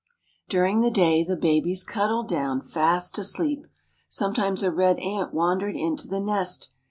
During the day the babies cuddled down fast asleep. Sometimes a red ant wandered into the nest.